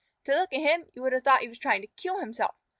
To look at him you would have thought he was trying to kill himself.